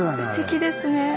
すてきですね。